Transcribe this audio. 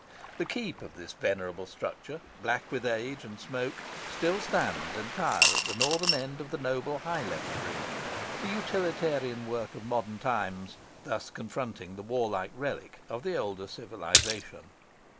The keep of this venerable structure, black with age and smoke, still stands entire at the northern end of the noble high level bridge—the utilitarian work of modern times thus confronting the warlike relic of the older civilisation.